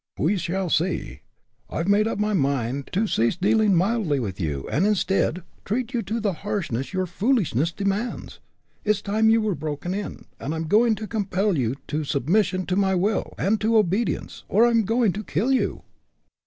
"We shall see. I've made up my mind to cease dealing mildly with you, and instead, treat you to the harshness your foolishness demands. It's time you were broken in, and I'm going to compel you to submission to my will, and to obedience, or I'm going to kill you."